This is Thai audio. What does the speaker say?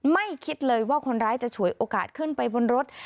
ไม่คิดเลยว่าคนร้ายจะฉวยโอกาสขึ้นไปบนรถ